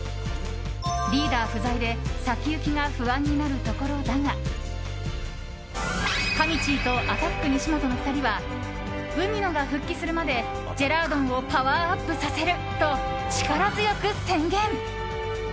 リーダー不在で先行きが不安になるところだがかみちぃとアタック西本の２人は海野が復帰するまでジェラードンをパワーアップさせると力強く宣言。